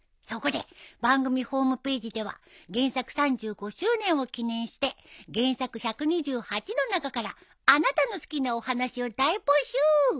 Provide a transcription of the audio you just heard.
そこで番組ホームページでは原作３５周年を記念して原作１２８の中からあなたの好きなお話を大募集。